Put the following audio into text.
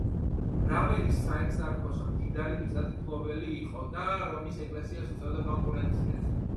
რავენის საეგზარქოსო მდიდარი მიწათმფლობელი იყო და რომის ეკლესიას უწევდა კონკურენციას.